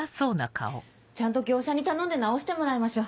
ちゃんと業者に頼んで直してもらいましょう。